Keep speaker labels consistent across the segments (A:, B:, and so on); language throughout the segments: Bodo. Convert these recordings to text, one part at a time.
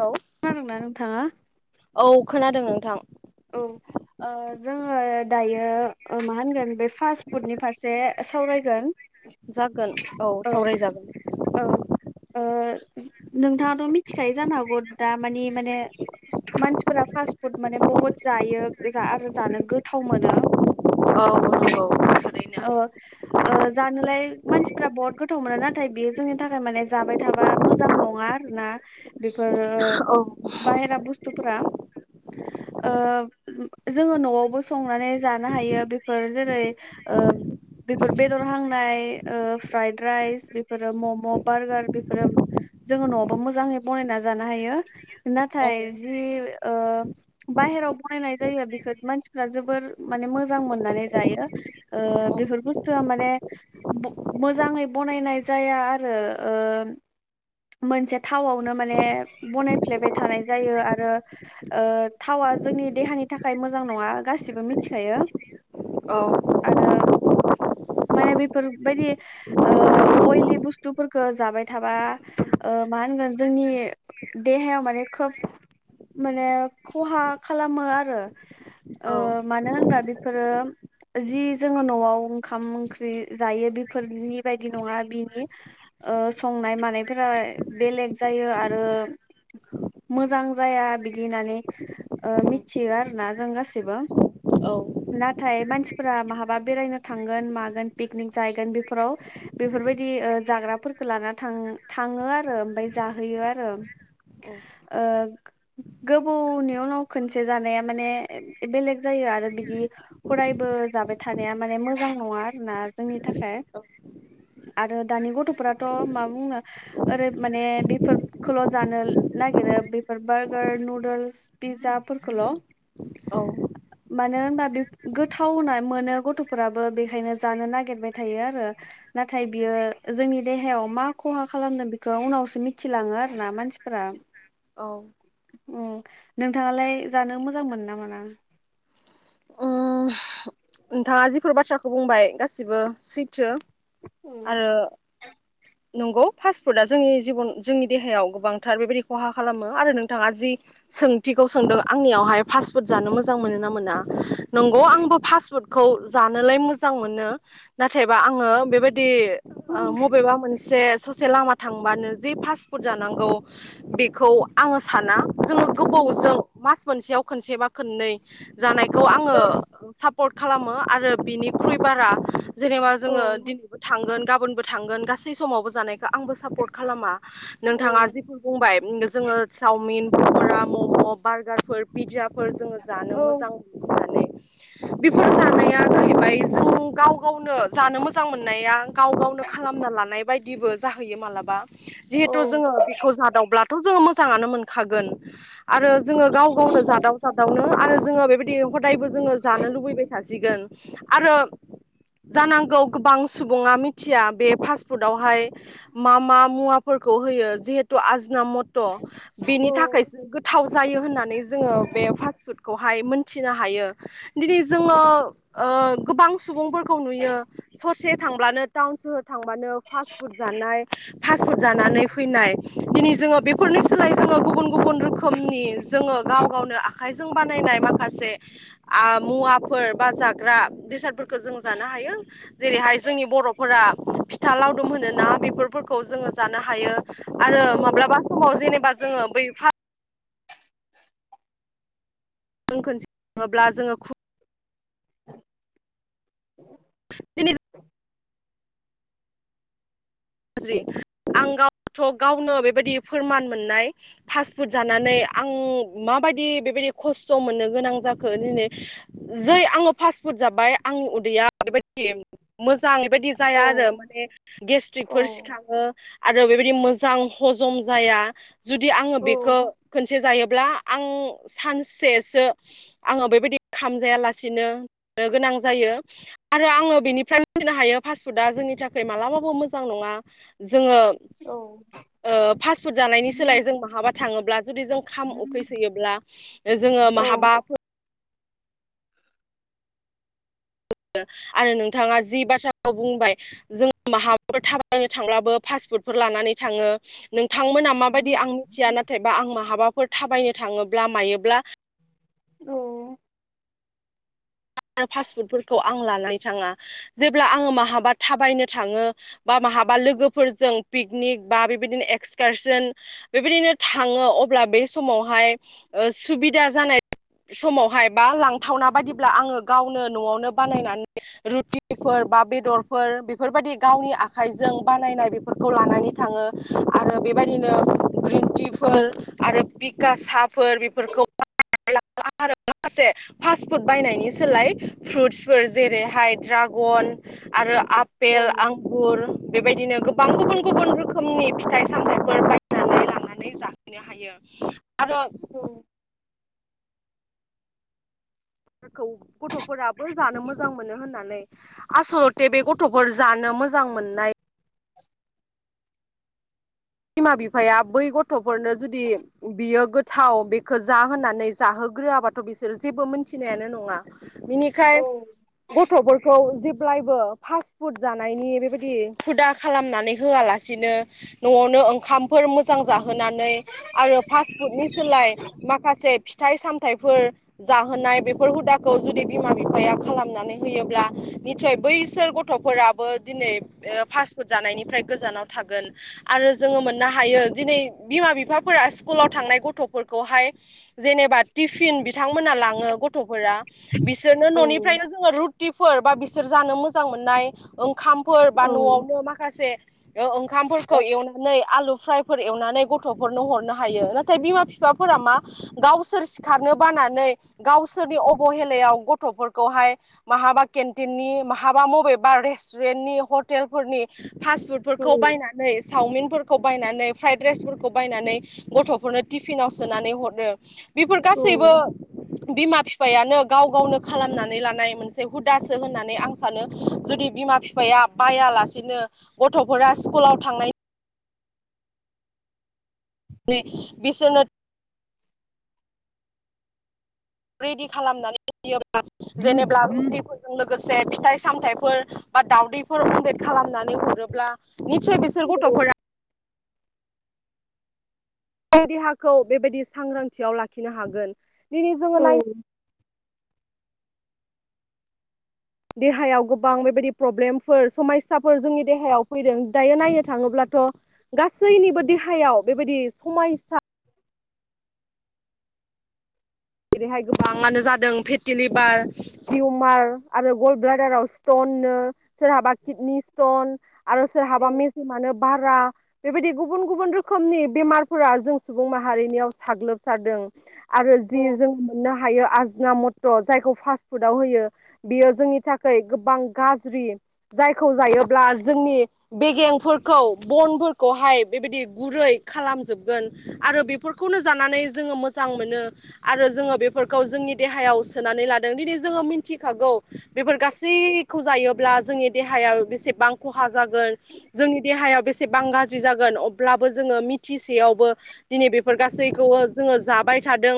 A: हेल
B: खोनादोंना नोंथाङा
A: औ खोनादों नोंथां
B: औ ओ जोङो दायो मा होनगोन बे फास्ट फुडनि फारसे सावरायगोन।
A: जागोन औ
B: ओ
A: सावरायजागोन
B: ओ ओ नोंथाङाथ' मिथिखायो जानो हागौ दा मानि माने मानसिफोरा फास्ट फुड माने बहुत जायो आरो जानो गोथाव मोनो।
A: औ नंगौ औ
B: ओ ओ जानोलाय मानसिफोरा बहुत गोथाव मोनो नाथाय बियो जोंनि थाखाय माने जाबाय था माबा मोजां नङा आरो ना बेफोर
A: औ
B: बाहेरा बुस्थुफोरा [unintelligible] ओ जोङो न'आवबो संनानै जानो हायो बेफोर जेरै ओ बेफोर बेदर हांनाय ओ फ्राइद राइस बेफोरो मम' बारगार बेफोरो जोङो न'आवबो मोजाङै बनायना जानो हायो
A: औ
B: नाथाय जि ओ बाय हेराव बनायनाय जायो बिखौ मानसिफोरा जोबोर माने मोजां मोननानै जायो। ओ
A: औ
B: बेफोर बुस्थुआ माने मोजाङै बनायनाय जाया आरो ओ [unintelligible] मोनसे थावआवनो माने बनायफ्लेबाय थानाय जायो आरो ओ थावा जोंनि देहानि थाखाय मोजां नङा गासिबो मिथिखायो
A: औ
B: आरो [unintelligible] माने बेफोरबायदि ओ अइलि बुस्थुफोरखो जाबाय थाबा ओ मा होनगोन जोंनि देहायाव माने खोब माने खहा खालामो आरो ओ मानो होनबा बेफोरो जि जोङो न'आव ओंखाम ओंख्रि जायो बेफोरनि बायदि नङा बिनि ओ संनाय मानायफोरा बेलेग जायो आरो मोजां जाया बिदि नानै मिथियो आरो ना जों गासिबो
A: औ
B: नाथाय मानसिफोरा महाबा बेरायनो थांगोन मागोन पिकनिक जाहैगोन बेफोराव बेफोरबायदि ओ जाग्राफोरखौ लाना थां थाङो आरो ओमफ्राय जाहैयो आरो। ओ गोबौनि उनाव खोनसे जानाया माने बेलेग जायो आरो। बिदि हदायबो जाबाय थानाया माने मोजां नङा आरोना जोंनि थाखाय। आरो दानि गथ'फोराथ' मा बुंनो ओरै माने बेफोरखौल' जानो नागिरो बेफोर बार्गार नुदोल्स पिज्जा फोरखौल' मानो होनबा बे गोथावना मोनो गथ'फोराबो बेखायनो जानो नागिरबाय थायो आरो। नाथाय बियो जोंनि देहायाव मा खहा खालामदों बेखौ उनावसो मिथिलाङो आरोना मानसिफोरा।
A: औ
B: उम नोंथांङालाय जानो मोजां मोनो ना मोना?
A: उम नोंथाङा जिफोर बाथ्राखौ बुंबाय गासिबो सैथो। आरो नंगौ फास्ट फुदा जोंनि जिबन जोंनि देहायाव गोबांथार बेबायदि खहा खालामो आरो नोंथाङा जि सोंथिखौ सोंदों आंनियावहाय फास्ट फुड जानो मोजां मोनो ना मोना? नंगौ आंबो फास्ट फुडखौ जानोलाय मोजां मोनो नाथायबा आङो बेबाय दि मबेबा मोनसे ससे लामा थांबानो जे पासफुद जानांगौ बेखौ आङो साना। जोङो गोबावजों मास मोनसेयाव खोनसेबा खोननै जानायखौ आं ङो सापर्ट खालामो आरो बिनिख्रुइ बारा जेनेबा जोङो दिनैबो थांगोन गाबोनबो थांगोन गासै समावबो जानाय आंबो सापर्ट खालामा नोंथाङा जिफोर बुंबाय जोङो चावमिन पकरा मम' बारगारफोर पिज्जाफोर जोङो जानो मोजां मोननानै बिफोर जानाया जाहैबाय जों गाव गावनो जानो मोजां मोननाया गाव गावनो खालामना लानाय बायदिबो जाहैयो मालाबा। जिहेथु जोङो बेखौ जादावब्लाथ' जोङो मोजाङानो मोनखागोन। आरो जोङो गाव गावनो जादाव जादावनो आरो जोङो बेबायदि हदायबो जोङो जानो लुबैबाय थासिगोन। ओं आरो जानांगौ गोबां सुबुङा मिथिया बे फास्टफुडावहाय मा मा मुवाफोर खौ होयो जिहेतु आज उना मथ' बिनि थाखायसो गोथाव जायो होननानै जोङो बे फास्ट फुडखौहाय मोन थिनो हायो दिनै जोङो ओ गोबां सुबुंफोरखौ नुयो ससे था थांब्लानो टाउन सोहोरावनो थांबानो फासफुट जानाय फुट जानानै फैनाय दिनै जोङो बेफोरनि सोलाय जोङो गुबुन गुबुन रोखोमनि जोङो गाव गावनो आखाइजों बानायनाय माखास से आ मुवाफोर बा जाग्रा बेसादफोरखौ जों जानो हायो जेरैहाय जो जोंनि बर'फोरा फिथा लावदुम होनोना बेफोरखौ जोङो जानो हायो। आरो माब्लाबा समाव जेनेबा जोङो बै फा जों खोनसे ङोब्ला जोंङो खु
B: [inaudible]
A: दिनि गाज्रि आं गावथ' गावनो बेबायदि फोरमान मोननाय फास्टफुड जानानै आं माब बायदि बेबायदि खस्थ' मोननो गोनां जाखो दिनि जै आङो फास्ट फुड जाबाय आंनि उदैया बायदि मोजांबायदि जाया आरो माने गेसटिक आरो आरो बेबायदि मोजां हजम जाया जुदि आङो बेखौ खोनसे जायोब्ला आं सानसेसो आङो बेबायदि खाम जायालासिनो गोनां जायो आरो आङो बेनिफ्राय मिथिनो हायो फास्टफुडआ जोंनि थाखाय मालाबाबो मोजा मोजां नङा जोङो ओ फास्ट फुद जानायनि सोलायै जों बाहाबा थाङोब्ला जुदि जों खाम उखैसोयोब्ला ओ जोङो माहाबाफोर आरो नोंथाङा जि बाथ्राखौ बुंबाय जों माहाबफोर थाबायनो थांब्लाबो फास फुटफोर लानानै थाङो। थांमोना माबायदि आं मिथिया नाथायबा आं महाबाफोर थाबायनो थाङोब्ला मायोब्ला
B: औ
A: फास्टफुडफोरखौ आं लानानै थाङा जेब्ला आङो महाबा थाबायनो थाङो बा मा हाबा लोगोफोरजों पिकनिक बा बेबायदिनो एक्सकारसन बेबायदिनो थाङो अब्ला बे समावहाय सुबिदा जानाय समावहाय बा लांथावना बादिब्ला आङो गावनो न'आवनो बानायनानै रुटिफोर बा बेदरफोर बेफोरबायदि गावनि आखाइजों बानायनाय बेफोरखौ लानानै थाङो आरो बेबायदिनो ग्रिन टि फोर आरो पिक गासाफोर बेफोरखौ बानायनानै लाङो आरो माखासे फास्ट फुड बायनायनि सोलाय फ्रुटस फोर जेरैहाय ड्रागन आरो आपेल आंगुर बेबायदिनो गोबां गु बुन गुबुन रोखोमनि फिथाइ सामथायफोर बायनानै लानानै जाहैनो हायो आरो खौ गथ'फोराबो जानो मोजां मोनो होननानै आसल'थे बे गथ'फोर जानो मोजां मोननाय बिमा बिफाया बै गथ'फोरनो जुदि बियो गोथाव बे खो जा होननानै जाहोग्रोआबाथ' बिसोर जेबो मोनथिनायानो नङा। बिनिखाय गथ'फोरखौ जिब ब्लायबो फास फुड जानायनि बेबायदि हुदा खालामनानै होआलासिनो न'आवनो ओंखामफोर मोजां जाहोनानै आरो फासफुडनि सोलाय माखासे फिथाइ सामथाइफोर जाहोनाय बेफोर हुदाखौ जुदि बिमा बिफाया खालामनानै होयोब्ला निसय बैसोर गथ'फोराबो दिनै पासपुट जानायनिफ्राय गोजानाव थागोन। आरो जोङो मोननो हायो दिनै बिमा बिफाफोरा सि कुल आव थांनाय गथ'फोरखौहाय जेनेबा टिफिन बिथांमोना लाङो गथ' फोरा बिसोरनो न'निफ्रायनो जोङो रुटिफोर बा बिसोर जानो मोजां मोननाय ओंखामफोर बा न'आवनो माखासे ओंखामफोर आलु फ्रायफोर एवनानै गथ'फोरनो हरनो हायो नाथाय बिमा बिफाफोरा मा गावसोर सिखारनो बानानै गावसोरनि अबहेलायाव गथ'फोरखौहाय माहाबा केन्टिननि माहाबा मबेबा रेस्टुरेन्टनि हटेलफोरनि फास फुटफोरखौ बायनानै नै सावमिनफोरखौ बायनानै फ्राइद राइसफोरखौ बायनानै गथ'फोरनो टिफिनाव सोनानै हरो। बेफोर गासैबो बिमा बिफायानो गाव गावनो खालामनानै लानाय मोनसे हुदासो होननानै आं सानो जुदि बिमा -बिफाया बायालासेनो गथ'फोरा स्कुलाव थांनाय बिसोनो रेडि खालामनानै होयोब्ला जेनेबा रुटिफोरजों लो गोसे फिथाइ सामथाइफोर बा दावदैफोर कनबेट खालामनानै हरोब्ला निसय बिसोर गथ'फोरा
B: [inaudible]
A: देहाखौ बेबायदि सांग्रांथियाव लाखिनो हागोन दिनै जोङो
B: ओ
A: नायनो देहायाव गोबां बेबायदि प्रब्लेमफोर समयसाफोर जोंनि देहायाव फैदों दायो नायनो थाङोब्ला गासैनिबो देहायाव बेबायदि समायसा जेरैहाय गोबाङानो जादों फेटि लिभार टिउमार आरो गल्ड ब्लाडाराव स्टन बिदिनो सोरहाबा किदनि सिटन आरो सोरहाबा मेजेमानो बारा बेबायदि गुबुन गुबुन रोखोमनि बेमारफोरा जों सुबुं माहारिनियाव साग्लोबसारदों आरो जि जोङो मोननो हायो आजोना मथ'र जायखौ फास्ट फुडाव होयो बियो जोंनि थाखाय गोबां गाज्रि। जायखौ जायोब्ला जोंनि बेगेंफोरखौ बनफोरखौहाय बेबायदि गुरै खालामजोबगोन आरो बेफोरखौनो जानानै जोङो मोजां मोनो। आरो जोङो बेफोरखौ जोंनि देहायाव सोनानै लादों दिनै जोङो मिथिखागौ बेफोर गासैखौ जायोब्ला जोंनि देहाया बेसेबां खहा जागोन जोंनि देहायाव बेसे बां गाज्रि जागोन अब्लाबो जोङो मिथिसेयावबो दिनै बेफोर गासैखौबो जोङो जाबाय थादों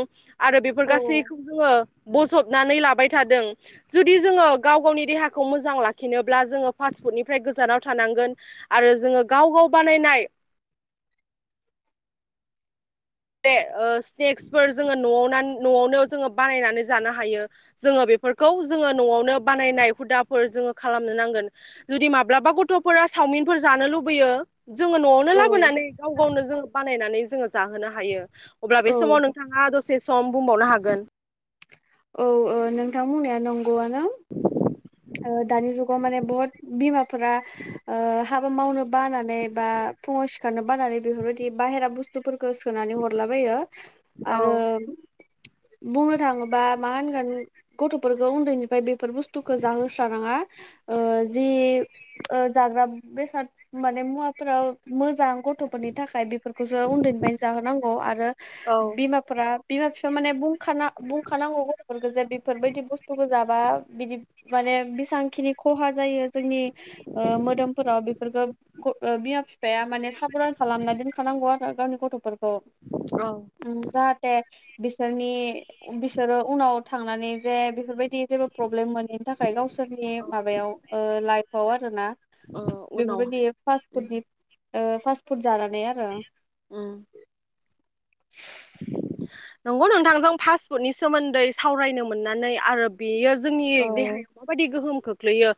A: आरो बेफोर
B: ओ
A: गासैखौ जोङो बजबनानै लाबाय थादों जुदि जोङो गाव गावनि देहाखौ मोजां लाखिनोब्ला जोङो फास पुटनिफ्राय गोजानाव थानांगोन आरो जोङो गाव गाव बानायनाय
B: [inaudible]
A: दे ओ स्नेक्सफोर जोङो न'आव न'आवनो जोङो बानायनानै जानो हायो जोङो बे बेफोरखौ जोङो न'आवनो बानायनाय हुदाफोर जोङो खालामनो नांगोन जुदि माब्लाबा गथ'फोरा सावमिनफोर जानो लुबैयो। जोङो न'आवनो लाबोनानै गाव गावनो जोङो बानायनानै जोङो जाहोनो हायो। अब्ला
B: औ
A: बे समाव नोंथाङा दसे सम बुंबावनो हागोन।
B: औ औ नोंथां बुंनाया नंगौआनो
A: [inaudible]
B: दानि जुगाव माने बहुत बिमाफोरा ओ हाबा मावनो बानानै बा फुङाव सिखारनो बानानै बेफोरबायदि बाहेरा बुसथु गोसोथोनानै हरलाबायो
A: औ
B: आरो बुंनो थाङोबा मा होनगोन गथ'फोरखौ उन्दैनिफ्राय बेफोर बुस्थु खौ जाहोस्राङा ओ जि ओ जाग्रा बेसाद माने मुवाफोर खौ मोजां गथ'फोरनि थाखाय बेफोरखौसो उन्दैनिफ्रायनो जाहोनांगौ आरो
A: औ
B: बिमाफोरा बिमा फि थार माने बुंखाना बुंखानांगौ गथ'फोरखौ जे बेफोरबायदि बुस्थुखौ जाबा बिदि माने बेसांखिनि खहा जायो जोंनि ओ मोदोमफोराव बेफोरफोरखौ बिमा बिफाया माने साबधान खालामना दोनखानांगौ आरो गावनि गथ'फोरखौ
A: औ
B: जाहाथे बिसोरनि बिसोरो उनाव थांनानै जे बेफोरबायदि जेबो प्रब्लेम मोनो थाखाय गावसोरनि माबायाव लाइफआव आरोना
A: औ उनावहाय
B: बेफोरबायदि फास्ट फुडनि फास्ट फुड जानानै आरो
A: उम नंगौ नोंथांजों पासपुतनि सोमोन्दै सावरायनो मोननानै आरो बेयो जोंनि
B: औ
A: देहायाव माबायदि गोहोम खोख खोख्लैयो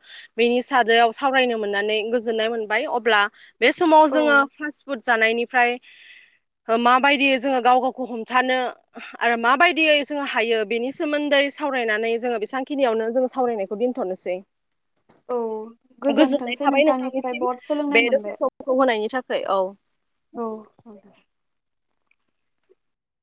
A: बेनि सादायाव सावरायनो मोननानै गोजोननाय मोनबाय अब्ला बे समाव
B: औ
A: जोङो फास्ट फुड जानायनिफ्राय माबायदि जोङो बे गाव गावखौ हमथानो आरो माबायदियै जोङो हायो बेनि सोमोन्दै सावरायनानै जोङो बिसां खिनियावनो जोङो सावरायनायखौ दोनथ'नोसै
B: औ
A: गोजोननाय
B: गोजोनथोंसै
A: थाबाय
B: नोंथांनिफ्राय
A: नोंथांनिसिम
B: बहुद सोलोंनाय
A: बे दसे
B: मोनबाय
A: समखौ होनायनि थाखाय। है औ
B: औ ओ